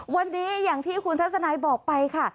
วันนี้อย่างที่คุณทัศนายบอกไปค่ะ